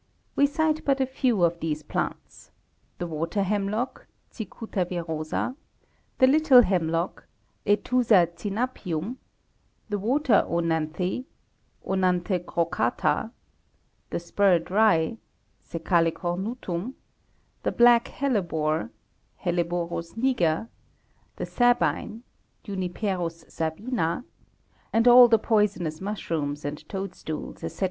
We cite but a few of these plants :—the water hemlock (Cicuta virosa) ; the little hemlock (Aethusa cinapium) ; the water oenanthe (Oenanthe crocata) ; the spurred rye (Secale cornutum) ; the black hellebore (Hel leborus niger) ; the sabine (Juniperus sabina) ; and all the poisonous mushrooms and toadstools, etc.